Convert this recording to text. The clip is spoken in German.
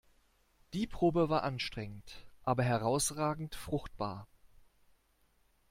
Die Probe war anstrengend, aber herausragend fruchtbar.